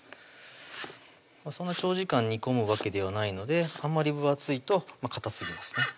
そんな長時間煮込むわけではないのであまり分厚いとかたすぎますね